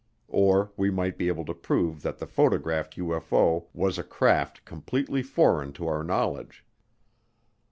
Or we might be able to prove that the photographed UFO was a craft completely foreign to our knowledge.